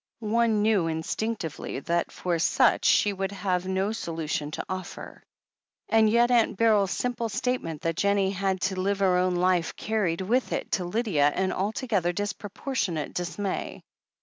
One knew instinctively that for such she would have no solution to offer. And yet Aunt Beryl's simple statement that Jennie had to live her own life carried with it to Lydia an altogether disproportionate dismay.